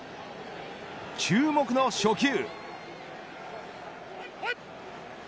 注目の初球。